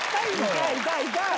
痛い痛い痛い！